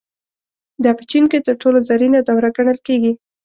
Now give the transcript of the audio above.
دا په چین کې تر ټولو زرینه دوره ګڼل کېږي.